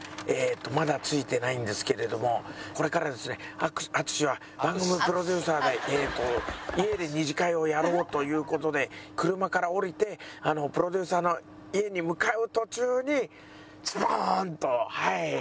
まだ着いてないんですけれどもこれからですね淳は番組のプロデューサーが家で２次会をやろうという事で車から降りてプロデューサーの家に向かう途中にズドーンとはい！